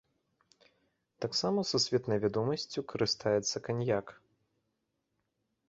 Таксама сусветнай вядомасцю карыстаецца каньяк.